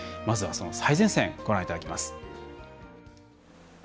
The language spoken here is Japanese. まずは、その最前線ご覧いただきます。